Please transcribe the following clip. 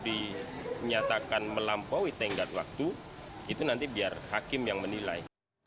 dinyatakan melampaui tenggat waktu itu nanti biar hakim yang menilai